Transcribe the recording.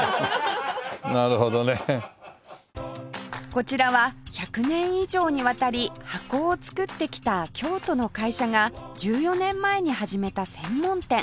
こちらは１００年以上にわたり箱を作ってきた京都の会社が１４年前に始めた専門店